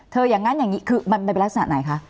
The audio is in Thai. อย่างนั้นอย่างนี้คือมันเป็นลักษณะไหนคะ